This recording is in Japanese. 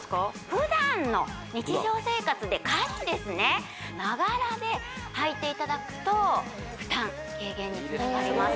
普段の日常生活で家事ですねながらではいていただくと負担軽減につながります